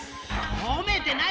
ほめてないわ！